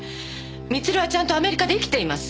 光留はちゃんとアメリカで生きています。